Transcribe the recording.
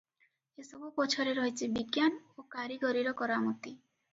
ଏସବୁ ପଛରେ ରହିଛି ବିଜ୍ଞାନ ଓ କାରିଗରୀର କରାମତି ।